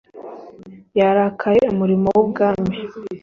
yarakaye umurimo w ubwami